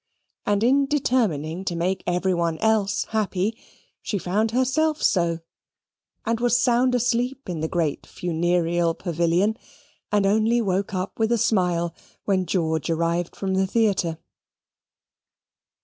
And in determining to make everybody else happy, she found herself so; and was sound asleep in the great funereal pavilion, and only woke up with a smile when George arrived from the theatre.